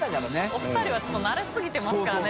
お二人はちょっと慣れすぎてますからね。